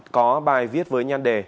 có bài viết với nhan đề